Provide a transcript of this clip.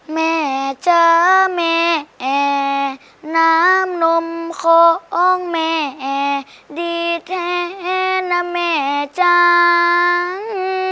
แหมเจอแหมน้ำนมของแหมดีแทนนะแหมจ้าง